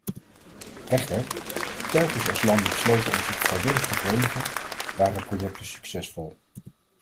Echter, telkens als landen besloten om zich vrijwillig te verenigen, waren projecten succesvol.